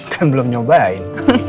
kan belum nyobain